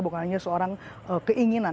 bukan hanya seorang keinginan